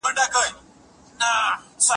کیمیاګرې! ستا د سترګو رانجه څه دي